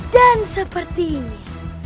dan seperti ini